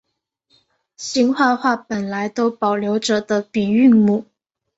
兴化话本来都保留着的鼻韵母。